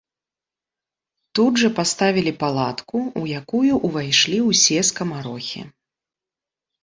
Тут жа паставілі палатку, у якую ўвайшлі ўсе скамарохі.